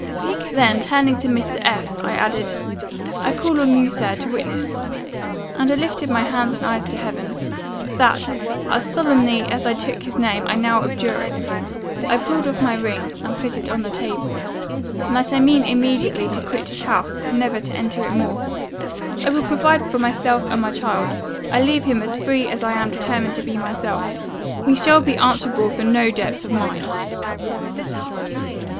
"Then, turning to Mr. S , I added, 'I call on you, Sir, to witness,' and I lifted my hands and eyes to heaven, 'that, as solemnly as I took his name, I now abjure it,' I pulled off my ring, and put it on the table; 'and that I mean immediately to quit his house, never to enter it more. I will provide for myself and child. I leave him as free as I am determined to be myself he shall be answerable for no debts of mine.